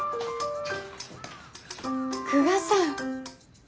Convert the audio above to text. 久我さん！